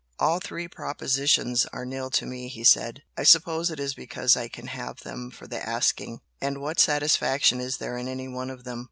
"All three propositions are nil to me" he said "I suppose it is because I can have them for the asking! And what satisfaction is there in any one of them?